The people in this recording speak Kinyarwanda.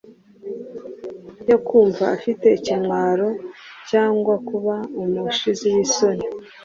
yo kumva afite ikimwaro cyangwa kuba umushizi w’isoni.